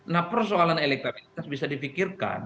nah persoalan elektabilitas bisa difikirkan